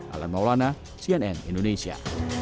alan maulana cnn indonesia